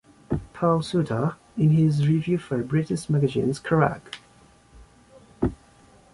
Paul Suter, in his review for the British magazine Kerrang!